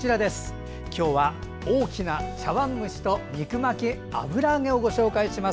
今日は大きな茶碗蒸しと肉巻き油揚げをご紹介します。